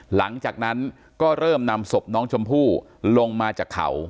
หลังจากนั้นก็เริ่มนำศพน้องชมพู่ลงมาจากเขา